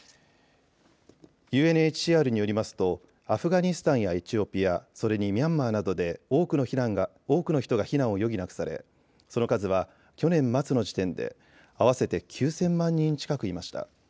ＵＮＨＣＲによりますとアフガニスタンやエチオピア、それにミャンマーなどで多くの人が避難を余儀なくされその数は去年末の時点で合わせて９０００万人近くいました。